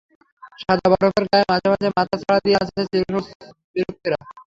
সাদা বরফের গায়ে মাঝে মাঝে মাথা চাড়া দিয়ে আছে চির সবুজ বৃক্ষেরা।